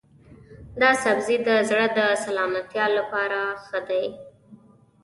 دا سبزی د زړه د سلامتیا لپاره ښه دی.